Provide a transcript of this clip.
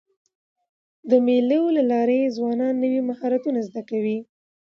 د مېلو له لاري ځوانان نوي مهارتونه زده کوي.